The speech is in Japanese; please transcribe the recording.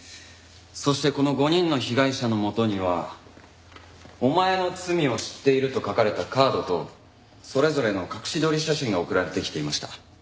そしてこの５人の被害者のもとには「お前の罪を知っている」と書かれたカードとそれぞれの隠し撮り写真が送られてきていました。